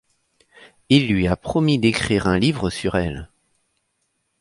Il lui a promis d'écrire un livre sur elle.